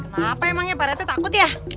kenapa emangnya pak rete takut ya